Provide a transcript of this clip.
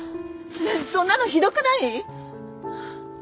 そんなのひどくない！？